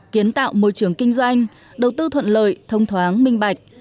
kiến tạo môi trường kinh doanh đầu tư thuận lợi thông thoáng minh bạch